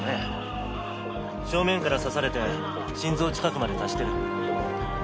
正面から刺されて心臓近くまで達してる。